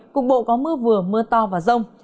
cuộc bộ có mưa vừa mưa to và rông